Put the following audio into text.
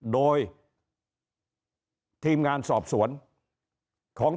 โดยทีมงานสอบสวนของ